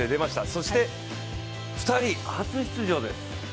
そして２人初出場です。